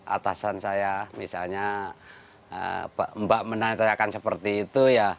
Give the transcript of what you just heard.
atasan saya misalnya mbak menandakan seperti itu